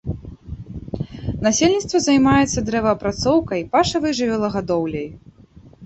Насельніцтва займаецца дрэваапрацоўкай, пашавай жывёлагадоўляй.